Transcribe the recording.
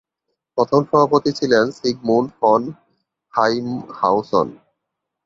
প্রথম সভাপতি ছিলেন সিগমুন্ড ফন হাইমহাউসন।